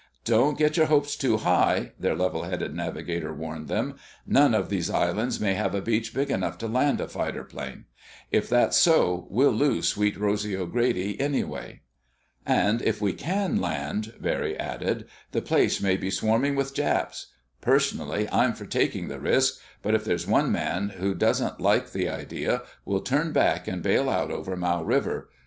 "Don't get your hopes too high," their levelheaded navigator warned them. "None of these islands may have a beach big enough to land a fighter plane. If that's so, we'll lose Sweet Rosy O'Grady anyway." "And if we can land," Barry added, "the place may be swarming with Japs. Personally I'm for taking the risk, but if there's one man who doesn't like the idea, we'll turn back and bail out over Mau River.